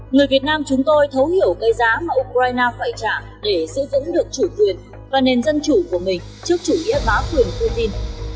người việt nam chúng tôi thấu hiểu cái giá mà ukraine phải trả để giữ vững được chủ quyền và nền dân chủ của mình trước chủ nghĩa bá cường putin